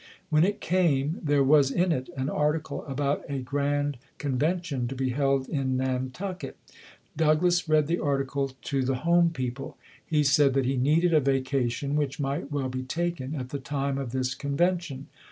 When it came, there was in it an article about a grand convention to be held in Nantucket. Douglass read the article to the home people. He said that he needed a vacation, which might well be taken at the time of this convention.